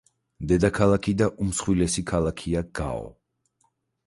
დედაქალაქი და უმსხვილესი ქალაქია გაო.